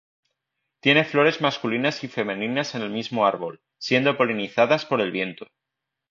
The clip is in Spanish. Tiene flores masculinas y femeninas en el mismo árbol, siendo polinizadas por el viento.